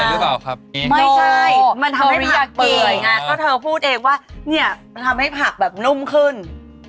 ไม่ใช่มันทำให้ผักเปลี่ยง